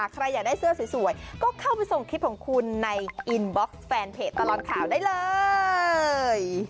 ใครอยากได้เสื้อสวยก็เข้าไปส่งคลิปของคุณในอินบ็อกซ์แฟนเพจตลอดข่าวได้เลย